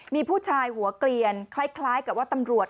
มีผู้ชายหัวเกลียนคล้ายกับว่าตำรวจ